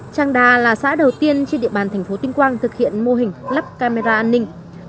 trang đà là xã đầu tiên trên địa bàn tp tinh quang thực hiện mô hình lắp camera an ninh